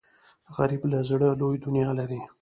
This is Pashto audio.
غریب له زړه لوی دنیا لري